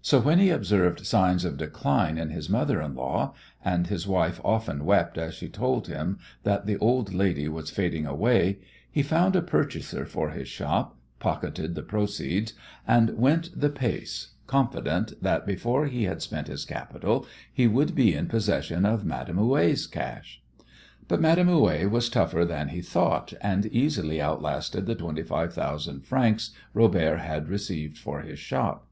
So when he observed signs of decline in his mother in law and his wife often wept as she told him that the old lady was fading away he found a purchaser for his shop, pocketed the proceeds, and went the pace, confident that before he had spent his capital he would be in possession of Madame Houet's cash. But Madame Houet was tougher than he thought, and easily outlasted the twenty five thousand francs Robert had received for his shop.